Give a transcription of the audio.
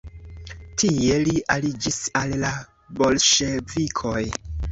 Tie li aliĝis al la Bolŝevikoj.